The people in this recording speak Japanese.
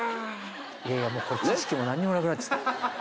いやいやもうこれ知識もなんにもなくなっちゃった。